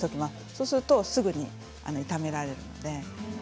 そうするとすぐに炒められるので。